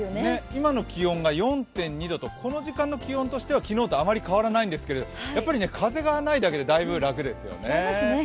今の気温が４．２度とこの時間の気温としては昨日とあまり変わらないんですけどやっぱり風がないだけでだいぶ楽ですよね。